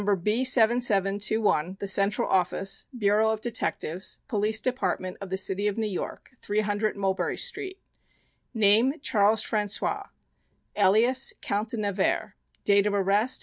B 7721 The Central Office, Bureau of Detectives, Police Department of the City of New York, 300 Mulberry Street. Name........................Charles François Alias.......................Count de Nevers Date of Arrest..............